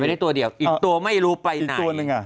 จับไว้ทั่วเดียวอีกตัวไม่รู้ไปไหน